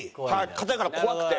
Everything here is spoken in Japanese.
硬いから怖くて。